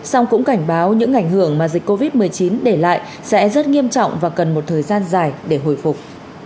song cũng cảnh báo những ảnh hưởng mà dịch covid một mươi chín để lại sẽ rất nghiêm trọng và cần một thời gian dài để hồi phục